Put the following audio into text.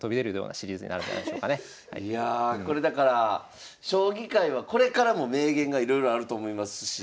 いやこれだから将棋界はこれからも名言がいろいろあると思いますし。